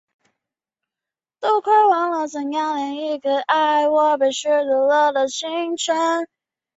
他被任命为特拉斯塔马拉公爵。